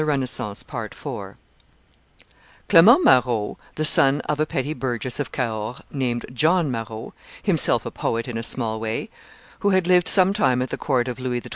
[Illustration: Clement Marot 162] Clemont Marot, the son of a petty burgess of Cahors, named John Marot, himself a poet in a small way, who had lived some time at the court of Louis XII.